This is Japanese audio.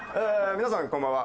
皆さんこんばんは。